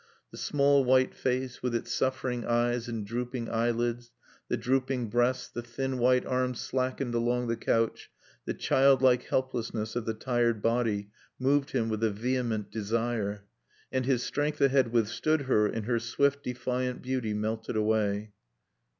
The small white face with its suffering eyes and drooping eyelids, the drooping breasts, the thin white arms slackened along the couch, the childlike helplessness of the tired body moved him with a vehement desire. And his strength that had withstood her in her swift, defiant beauty melted away.